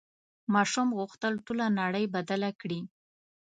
ماشوم غوښتل ټوله نړۍ بدله کړي.